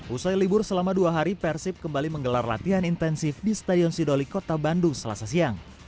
usai libur selama dua hari persib kembali menggelar latihan intensif di stadion sidoli kota bandung selasa siang